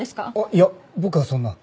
いや僕はそんな。